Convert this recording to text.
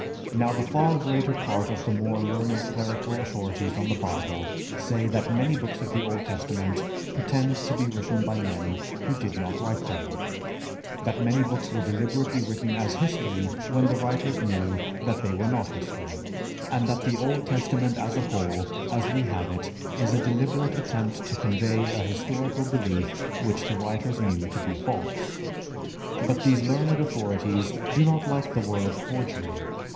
"Now the far greater part of the more learned clerical authorities on the Bible say that many books of the Old Testament pretend to be written by men who did not write them; that many books were deliberately written as history when the writers knew that they were not history; and that the Old Testament as a whole, as we have it, is a deliberate attempt to convey an historical belief which the writers knew to be false. But these learned authorities do not like the word forgery.